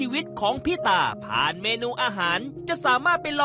การที่บูชาเทพสามองค์มันทำให้ร้านประสบความสำเร็จ